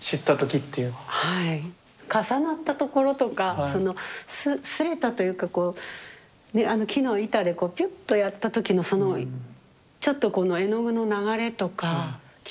重なったところとかその擦れたというかこう木の板でこうピュッとやった時のそのちょっとこの絵の具の流れとかきれいだなと思って。